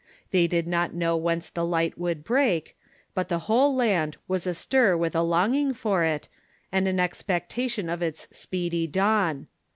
They did not know whence the light would break, but the whole land was astir with a longing for it, and an expectation of its speedy dawn.